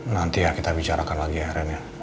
nanti ya kita bicarakan lagi ya ren ya